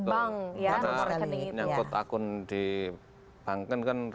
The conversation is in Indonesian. bank ya karena nyangkut akun di bank kan kan